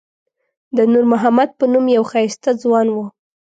د نور محمد په نوم یو ښایسته ځوان و.